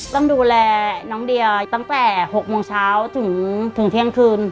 ต้องดูแลน้องเดียตั้งแต่๖โมงเช้าถึงเที่ยงคืน